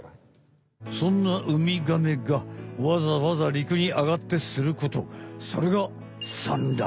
そんなウミガメがわざわざ陸にあがってすることそれが産卵。